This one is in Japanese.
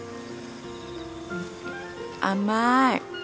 甘い！